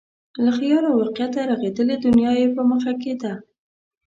له خیال او واقعیته رغېدلې دنیا یې په مخ کې ده.